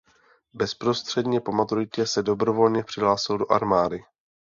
Bezprostředně po maturitě se dobrovolně přihlásil do armády.